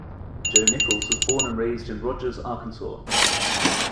Joe Nichols was born and raised in Rogers, Arkansas.